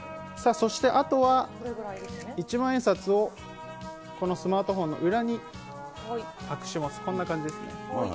そしてあとは、一万円札をこのスマートフォンの裏に隠し持つ、こんな感じですね。